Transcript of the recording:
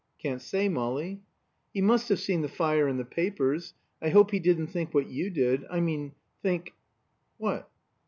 "Can't say, Molly." "He must have seen the fire in the papers I hope he didn't think what you did. I mean think " "What?"